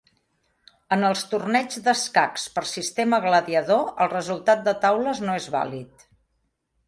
En els torneigs d'escacs per sistema gladiador, el resultat de taules no és vàlid.